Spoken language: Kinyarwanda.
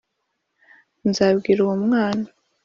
Nzabwira uwo mwana